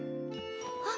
あっ！